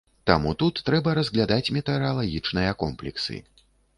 Таму тут трэба разглядаць метэаралагічныя комплексы.